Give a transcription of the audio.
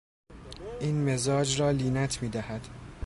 این مزاج را لینت میدهد.